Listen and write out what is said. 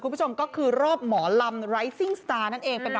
ผู้ชมคุณผู้ชมคุณผู้ชมคุณผู้ชม